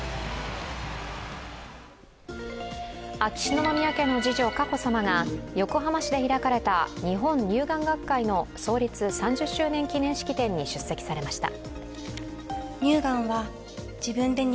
秋篠宮家の次女・佳子さまが横浜市で開かれた日本乳癌学会の創立３０周年記念式典に出席されました。